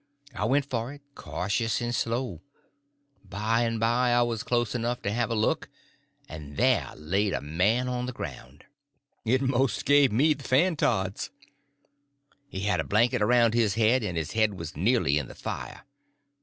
I went for it, cautious and slow. By and by I was close enough to have a look, and there laid a man on the ground. It most give me the fan tods. He had a blanket around his head, and his head was nearly in the fire.